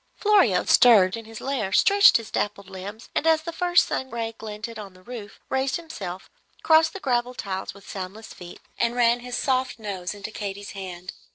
Florio stirred in his lair, stretched his dappled limbs, and as the first sun ray glinted on the roof, raised himself, crossed the gravelled tiles with soundless feet, and ran his soft nose into Katy's hand.